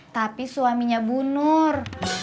tapi suaminya bunur